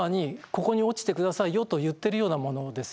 「ここに落ちて下さいよ」と言ってるようなものですよね。